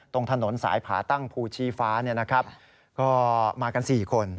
ตรงถนนสายผาตั้งภูชีฟ้าก็มากัน๔คน